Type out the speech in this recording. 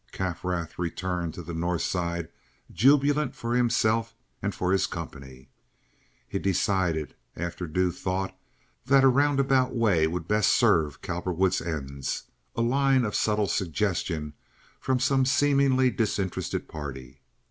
Kaffrath returned to the North Side jubilant for himself and for his company. He decided after due thought that a roundabout way would best serve Cowperwood's ends, a line of subtle suggestion from some seemingly disinterested party.